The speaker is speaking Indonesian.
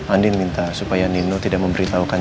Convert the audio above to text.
andi minta supaya nino tidak memberitahukan